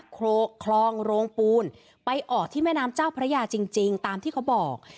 คลองโรงปูนไปออกที่แม่น้ำเจ้าพระยาจริงตามที่เขาบอก